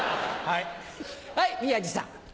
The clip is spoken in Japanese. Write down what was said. はい宮治さん。